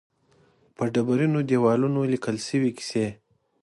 پر ډبرینو دېوالونو لیکل شوې کیسې.